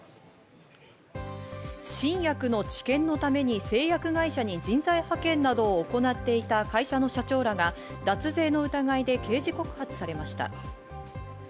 新薬の治験のために製薬会社に人材派遣などを行っていた会社の社長らが脱税の疑いで刑事告発されました。